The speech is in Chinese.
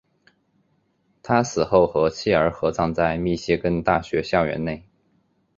他死后和妻儿合葬在密歇根大学校园内。